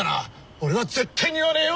俺は絶対に言わねえよ。